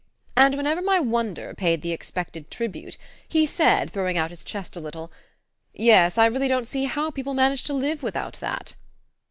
And whenever my wonder paid the expected tribute he said, throwing out his chest a little: "Yes, I really don't see how people manage to live without that."